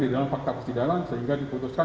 di dalam fakta persidangan sehingga diputuskan